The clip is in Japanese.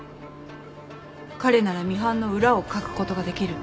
彼ならミハンの裏をかくことができる。